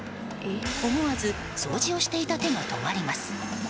思わず掃除をしていた手が止まります。